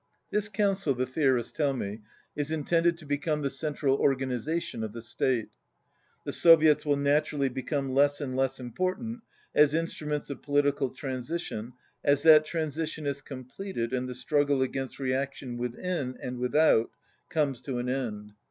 This Council, the theorists tell me, is intended to become the central organization of the state. The Soviets will naturally become less and less important as instruments of political transition as that transition is completed and the struggle against reaction within and without comes to an end.